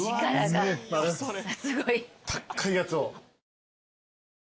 高いやつを。